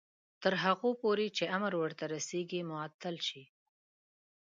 تر هغو پورې چې امر ورته رسیږي معطل شي.